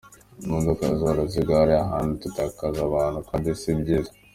Iyo imodoka zihora zigwa hariya hantu dutakaza abantu kandi si byiza.